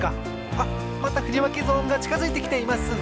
あっまたふりわけゾーンがちかづいてきています。